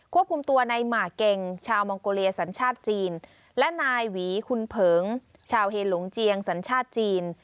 ควบคุมตัวในหมาเก่งชาวมองโกเลียสัญชาติจีนและนายหวีคุณเผิงชาวเฮหลงเจียงสัญชาติจีน